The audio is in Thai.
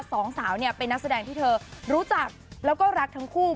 สองสาวเนี่ยเป็นนักแสดงที่เธอรู้จักแล้วก็รักทั้งคู่